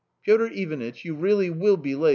" "Piotr Ivanitch, you really will be late!"